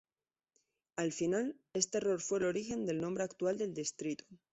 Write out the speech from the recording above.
Al final, este error fue el origen del nombre actual del distrito.